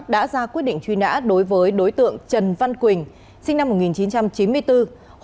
đã ra quyết định truy nã đối với đối tượng trần văn quỳnh